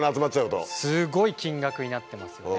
すごい金額になってますよね。